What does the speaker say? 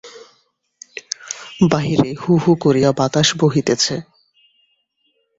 বাহিরে হুহু করিয়া বাতাস বহিতেছে।